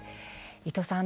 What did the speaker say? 伊藤さん